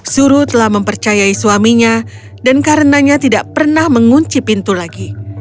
suruh telah mempercayai suaminya dan karenanya tidak pernah mengunci pintu lagi